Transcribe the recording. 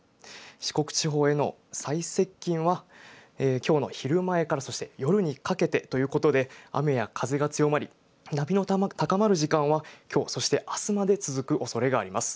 四国地方への最接近は、きょうの昼前からそして夜にかけてということで、雨や風が強まり、波の高まる時間は、きょうそしてあすまで続くおそれがあります。